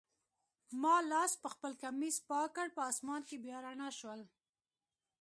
ما لاس پخپل کمیس پاک کړ، په آسمان کي بیا رڼا شول.